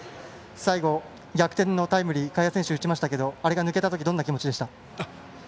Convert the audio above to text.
最後、逆転のタイムリー賀谷選手打ちましたけど、あれが抜けた時どんな気持ちでした？